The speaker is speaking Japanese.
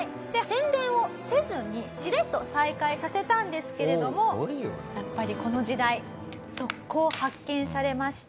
宣伝をせずにしれっと再開させたんですけれどもやっぱりこの時代。